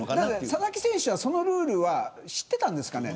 佐々木選手はそのルールを知っていたんですかね。